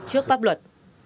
trước pháp luật